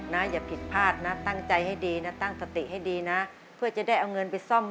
ลดให้พอตั้งใจตั้งสติให้ดีขอให้ร้องได้